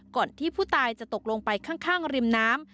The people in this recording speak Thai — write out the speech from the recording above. ก่อนที่ผู้ตายจะตกลงไปข้างริมน้ำ